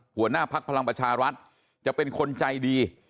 หัวหน้าภักดิ์พลังประชารัฐจะเป็นคนใจดี